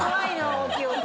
大きい音。